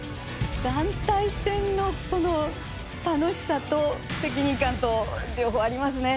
団体戦のこの楽しさと責任感と両方ありますね。